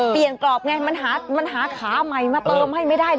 กรอบไงมันหาขาใหม่มาเติมให้ไม่ได้